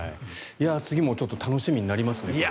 次も楽しみになりますね。